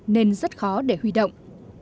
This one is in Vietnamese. nên rất khó để huy động